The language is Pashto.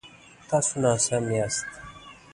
تاسو ناسم یاست